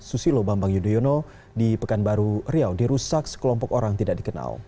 susilo bambang yudhoyono di pekanbaru riau dirusak sekelompok orang tidak dikenal